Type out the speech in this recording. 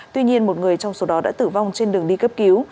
tuy nhiên một người trong số đó đã tử vong trên đường đi cấp cứu